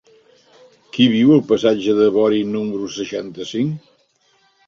Qui viu al passatge de Bori número seixanta-cinc?